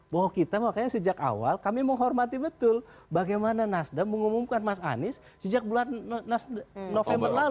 bahwa kita makanya sejak awal kami menghormati betul bagaimana nasdem mengumumkan mas anies sejak bulan november lalu